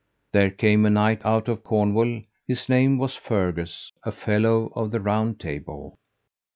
There came a knight out of Cornwall, his name was Fergus, a fellow of the Round Table.